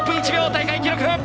大会記録！